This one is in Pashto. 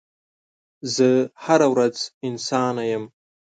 زه هره ورځ انسانه یم